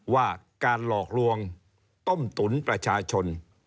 ว่าการหลอกลวงต้มตุ๋นประชาชน